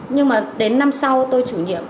nhưng mà đến năm sau tôi chủ nhiệm